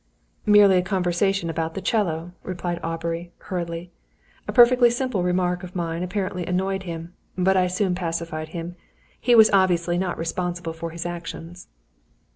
"Merely a conversation about the 'cello," replied Aubrey, hurriedly. "A perfectly simple remark of mine apparently annoyed him. But I soon pacified him. He was obviously not responsible for his actions."